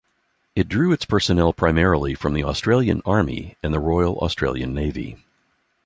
It drew its personnel primarily from the Australian Army and Royal Australian Navy.